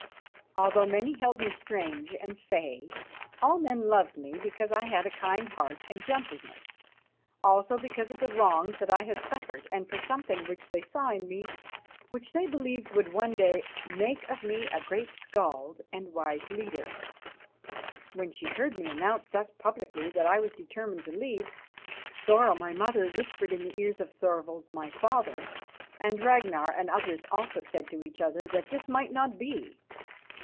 Although many held me strange and fey, all men loved me because I had a kind heart and gentleness, also because of the wrongs that I had suffered and for something which they saw in me, which they believed would one day make of me a great skald and a wise leader. When she heard me announce thus publicly that I was determined to leave them, Thora, my mother, whispered in the ears of Thorvald, my father, and Ragnar and others also said to each other that this might not be.